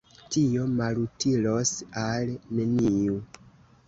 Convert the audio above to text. Tio malutilos al neniu.